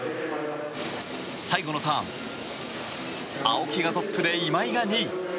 最後のターン青木がトップで今井が２位。